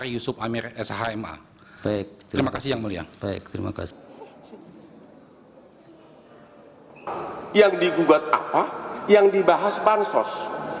yang mulia apa yang dibahas bansos